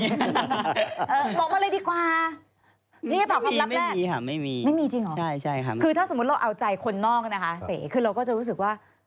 บอกมาเลยดีกว่านี่หรือเปล่าความลับแรกไม่มีจริงเหรอใช่ครับคือถ้าสมมุติเราเอาใจคนนอกนะคะเสคือเราก็จะรู้สึกว่า